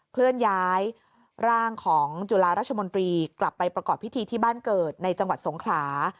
เคลื่อนย้ายร่างของจุฬาราชมนตรีกลับไปประกอบพิธีที่บ้านเกิดในจังหวัดสงขลา